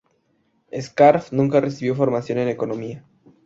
Scarf nunca recibió formación en economía.